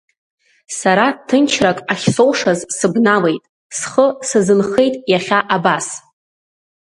Сара ҭынчрак ахьсоушаз сыбналеит, схы сазынхеит иахьа абас…